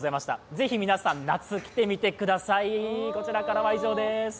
ぜひ皆さん、夏、来てみてください。